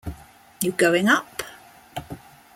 You going up?